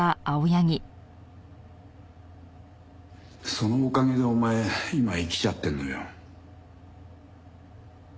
そのおかげでお前今生きちゃってるのよ。